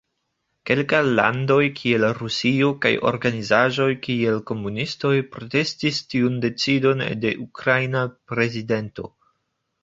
Kelkaj landoj, kiel Rusio, kaj organizaĵoj, kiel komunistoj, protestis tiun decidon de ukraina prezidento.